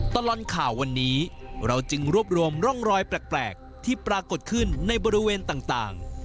ตลอดข่าววันนี้เราจึงรวบรวมร่องรอยแปลกที่ปรากฏขึ้นในบริเวณต่าง